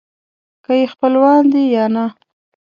که یې خپلوان دي یا نه.